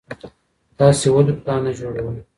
تاسي ولي پلان نه جوړوئ؟